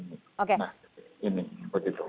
nah ini begitu